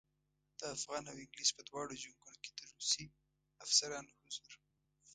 د افغان او انګلیس په دواړو جنګونو کې د روسي افسرانو حضور.